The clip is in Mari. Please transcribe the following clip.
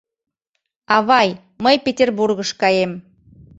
— Авай, мый Петербургыш каем.